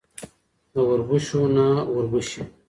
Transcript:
د وربشو نه وربشې.